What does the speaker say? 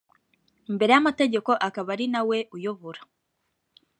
imbere y amategeko akaba ari na we uyobora